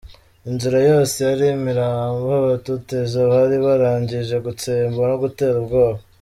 Inzira yose yari imirambo abatoteza bari barangije gutsemba no gutera ubwoba.